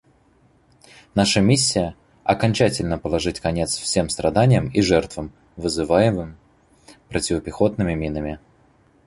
Наша миссия — окончательно положить конец всем страданиям и жертвам, вызываемым противопехотными минами.